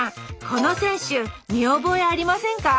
この選手見覚えありませんか？